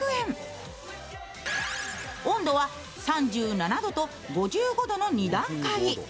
温度は３７度と５５度の２段階。